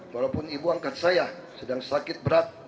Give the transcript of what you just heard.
walaupun ibu angkat saya sedang sakit berat